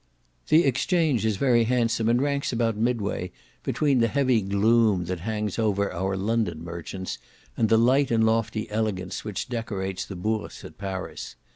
The Exchange is very handsome, and ranks about midway between the heavy gloom that hangs over our London merchants, and the light and lofty elegance which decorates the Bourse at Paris.